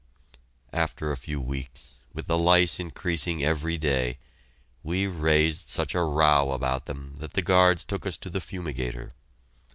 After a few weeks, with the lice increasing every day, we raised such a row about them that the guards took us to the fumigator.